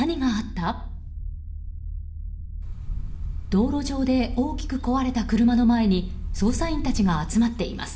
道路上で大きく壊れた車の前に捜査員たちが集まっています。